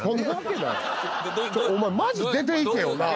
お前マジ出ていけよなあ。